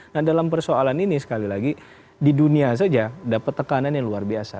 nah dalam persoalan ini sekali lagi di dunia saja dapat tekanan yang luar biasa